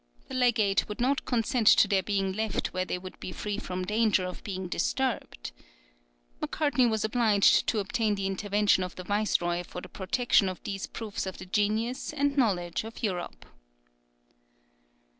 The legate would not consent to their being left where they would be free from danger of being disturbed. Macartney was obliged to obtain the intervention of the viceroy for the protection of these proofs of the genius and knowledge of Europe.